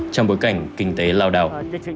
trong bối cảnh kinh tế lao đào